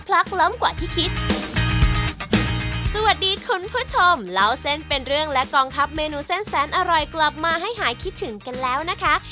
กว่าที่คิดสวัสดีคุณผู้ชมเล่าเส้นเป็นเรื่องและกองทัพเมนูเส้นแสนอร่อยกลับมาให้หายคิดถึงกันแล้วนะคะ